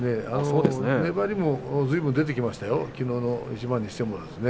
粘りもずいぶん出てきましたよ、きのうの一番にしても。